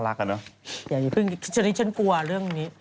อย่าอย่าเพิ่งฉันกลัวเรื่องนี้